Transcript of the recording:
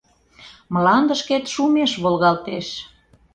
Мландышкет шумеш волгалтеш.